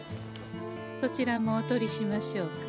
そちらもおとりしましょうか？